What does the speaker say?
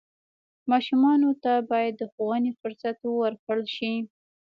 ماشومانو ته باید د ښوونې فرصت ورکړل شي.